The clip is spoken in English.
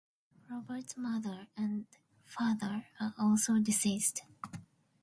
Robert's mother and father are also deceased.